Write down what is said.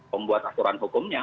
pembuat aturan hukumnya